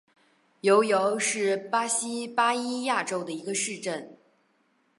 尤尤是巴西巴伊亚州的一个市镇。